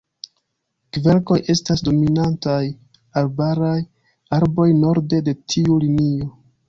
Kverkoj estas dominantaj arbaraj arboj norde de tiu linio.